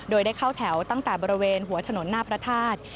โดยได้เข้าแถวตั้งแต่บริเวณหัวถนนหน้าพระธาตุ